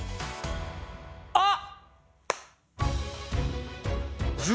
あっ！